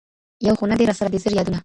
یو خو نه دی را سره دي زر یادونه